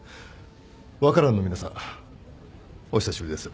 ワカランの皆さんお久しぶりです。